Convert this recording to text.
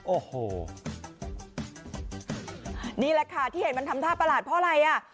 โอ้โหนี่แหละค่ะที่เห็นมันทำท่าประหลาดเพราะอะไรอ่ะ